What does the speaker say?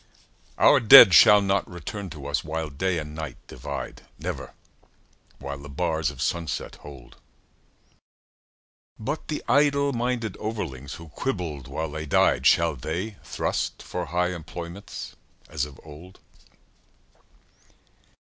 Our dead shall not return to us while Day and Night divide Never while the bars of sunset hold. But the idle minded overlings who quibbled while they died, Shall they thrust for high employments as of old?